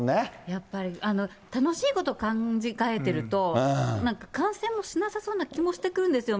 やっぱり、楽しいこと考えてるとなんか感染もしなさそうな気もしてくるんですよ。